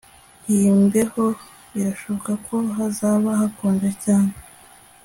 Iyi mbeho birashoboka ko hazaba hakonje cyane